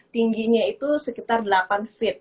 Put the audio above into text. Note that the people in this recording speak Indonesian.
tingginya itu sekitar delapan feet